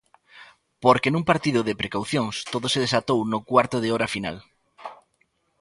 Porque nun partido de precaucións, todo se desatou no cuarto de hora final.